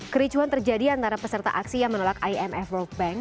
kericuan terjadi antara peserta aksi yang menolak imf world bank